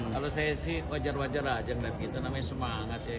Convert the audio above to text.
kalau saya sih wajar wajar aja namanya semangat ya